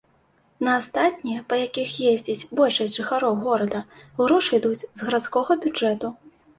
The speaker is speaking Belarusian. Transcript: На астатнія, па якіх ездзіць большасць жыхароў горада, грошы ідуць з гарадскога бюджэту.